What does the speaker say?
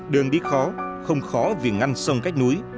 đường đi khó không khó vì ngăn sông cách núi